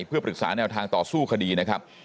เพื่อปรึกษาแนวทางต่อสู้คดีนะครับ